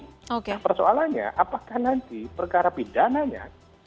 nah persoalannya apakah nanti perkara pidananya